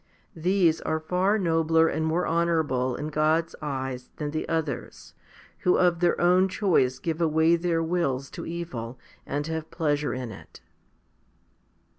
These are far nobler and more honourable in God's eyes than the others, who of their own choice give away their wills to evil, and have pleasure in it.